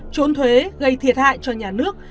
chốn thuế gây thiệt hại cho nhà nước